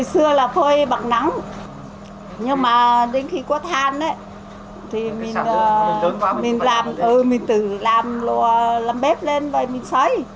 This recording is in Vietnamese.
cái xưa là phơi bằng nắng nhưng mà đến khi có than ấy thì mình tự làm làm bếp lên và mình xoay